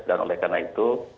dan oleh karena itu